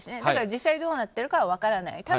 だから実際どうなってるかは分からない。